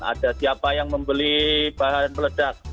ada siapa yang membeli bahan peledak